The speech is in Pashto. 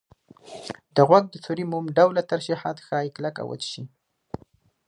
د غوږ د سوري موم ډوله ترشحات ښایي کلک او وچ شي.